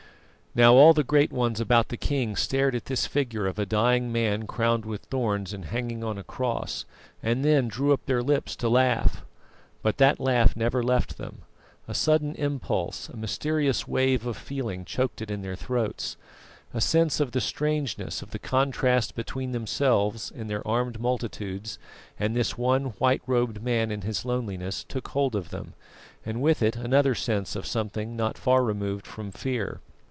Now all the great ones about the king stared at this figure of a dying man crowned with thorns and hanging on a cross, and then drew up their lips to laugh. But that laugh never left them; a sudden impulse, a mysterious wave of feeling choked it in their throats. A sense of the strangeness of the contrast between themselves in their armed multitudes and this one white robed man in his loneliness took hold of them, and with it another sense of something not far removed from fear.